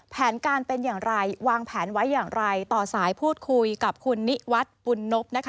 แผนการเป็นอย่างไรวางแผนไว้อย่างไรต่อสายพูดคุยกับคุณนิวัฒน์ปุณนพนะคะ